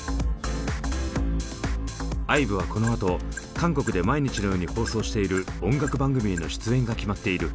ＩＶＥはこのあと韓国で毎日のように放送している音楽番組への出演が決まっている。